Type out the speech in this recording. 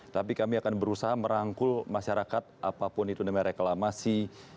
tapi kami akan berusaha merangkul masyarakat apapun itu namanya reklamasi